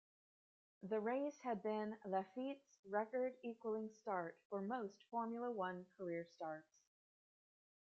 The race had been Laffite's record equalling start for most Formula One career starts.